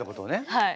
はい。